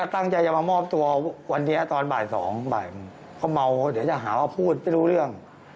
ตอนบ่าย๒บ่ายก็เมาเดี๋ยวจะหาว่าพูดไม่รู้เรื่อง